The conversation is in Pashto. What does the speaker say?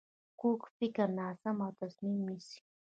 کوږ فکر ناسم تصمیم نیسي